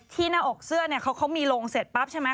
ที่หน้าอกเสื้อเค้าก็มีลงเสร็จปั๊บใช่ไหม